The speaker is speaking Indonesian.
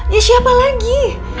ya siapa lagi